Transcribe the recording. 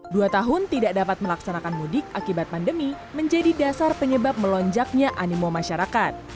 dua tahun tidak dapat melaksanakan mudik akibat pandemi menjadi dasar penyebab melonjaknya animo masyarakat